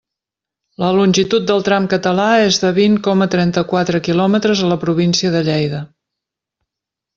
La longitud del tram català és de vint coma trenta-quatre quilòmetres a la província de Lleida.